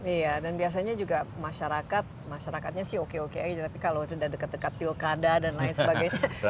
iya dan biasanya juga masyarakat masyarakatnya sih oke oke aja tapi kalau sudah dekat dekat pilkada dan lain sebagainya